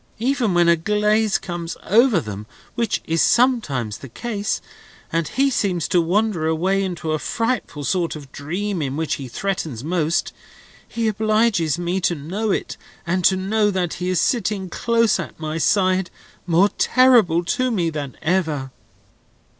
Even when a glaze comes over them (which is sometimes the case), and he seems to wander away into a frightful sort of dream in which he threatens most, he obliges me to know it, and to know that he is sitting close at my side, more terrible to me than ever."